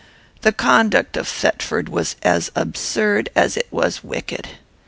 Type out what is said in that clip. "The conduct of Thetford was as absurd as it was wicked.